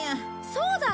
そうだ！